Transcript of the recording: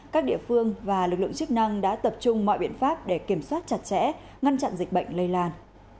các địa phương và lực lượng chức năng đã tập trung mọi biện pháp để kiểm soát chặt chẽ ngăn chặn dịch bệnh lây lan